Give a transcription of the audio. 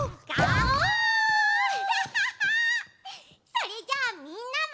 それじゃあみんなも。